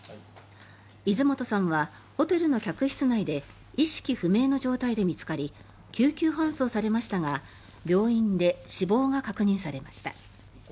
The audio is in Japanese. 泉本さんはホテルの客室内で意識不明の状態で見つかり救急搬送されましたが病院で死亡が確認されました。